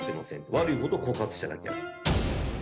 悪いことを告発しただけ。